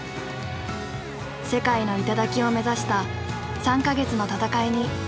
世界の頂を目指した３か月の戦いに密着した。